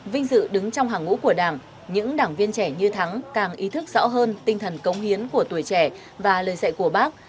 vinh dự đứng trong hàng ngũ của đảng những đảng viên trẻ như thắng càng ý thức rõ hơn tinh thần cống hiến của tuổi trẻ và lời dạy của bác